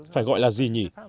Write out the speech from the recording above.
phải gọi là gì nhỉ